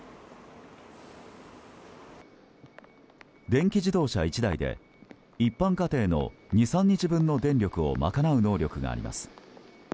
電気自動車１台で一般家庭の２３日分の電力を賄う能力があります。